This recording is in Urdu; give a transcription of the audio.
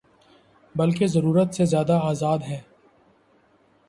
بلکہ ضرورت سے زیادہ آزاد ہے۔